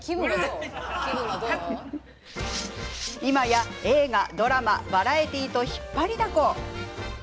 今や、映画、ドラマバラエティーと引っ張りだこ。